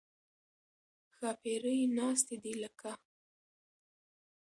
ښاپېرۍ ناستې دي لکه